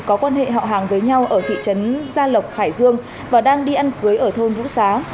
có quan hệ họ hàng với nhau ở thị trấn gia lộc hải dương và đang đi ăn cưới ở thôn vũ xá